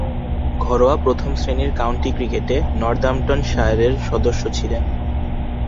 ঘরোয়া প্রথম-শ্রেণীর কাউন্টি ক্রিকেটে নর্দাম্পটনশায়ারের সদস্য ছিলেন।